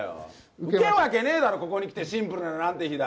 受けるわけねぇだろ、ここにきてシンプルななんて日だ！